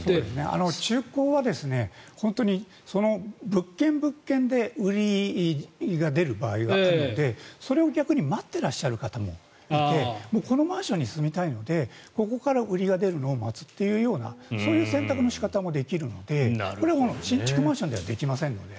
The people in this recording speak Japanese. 中古は物件物件で売りが出る場合があるのでそれを逆に待っていらっしゃる方もいてこのマンションに住みたいのでここから売りが出るのを待つというようなそういう選択の仕方もできるのでこれは新築マンションではできませんので。